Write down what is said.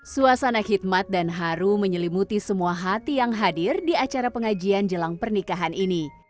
suasana khidmat dan haru menyelimuti semua hati yang hadir di acara pengajian jelang pernikahan ini